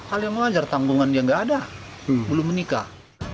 hal yang wajar tanggungan dia nggak ada belum menikah